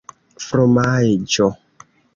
fromaĵo